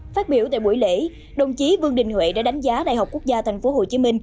phát biểu tại buổi lễ đồng chí vương đình huệ đã đánh giá đại học quốc gia tp hcm